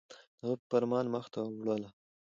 د هغه په فرمان مخ ته وړله